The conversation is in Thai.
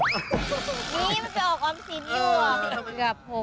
นี่มันเป็นออกความซินอยู่อ่ะ